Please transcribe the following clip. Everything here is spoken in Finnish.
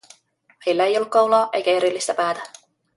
Heillä ei ollut kaulaa eikä erillistä päätä.